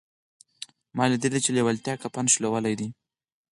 ما لیدلي چې لېوالتیا کفن شلولی دی